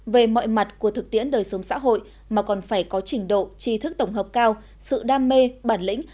đối với đời sống xã hội mà còn phải có trình độ tri thức tổng hợp cao sự đam mê bản lĩnh